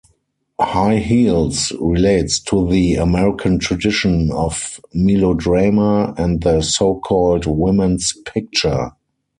"High Heels" relates to the American tradition of melodrama and the so-called "woman's picture".